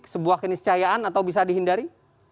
sebuah keniscayaan atau bisa dihindari